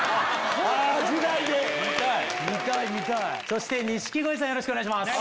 そして錦鯉さんよろしくお願いします。